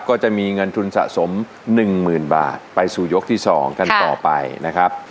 ก็จะมีเงินทุนสะสมหนึ่งหมื่นบาทไปสู่ยกที่สองกันต่อไปนะครับ